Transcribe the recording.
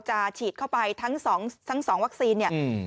จะฉีดทั้งสองวัคซีน